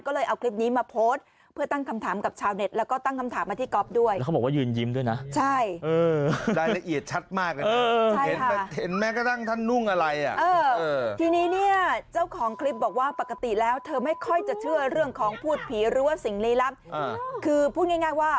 ก็เลยเอาคลิปนี้มาโพสต์เพื่อตั้งคำถามกับชาวเน็ตแล้วก็ตั้งคำถามมาที่ก๊อบด้วย